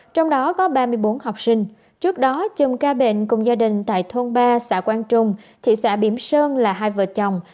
trong đó có ba mươi bốn học sinh trước đó chồng ca bệnh cùng gia đình tại thôn ba xã quang trung thị xã biểm sơn là hai vợ chồng